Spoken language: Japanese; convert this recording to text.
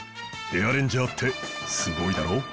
エアレンジャーってすごいだろ？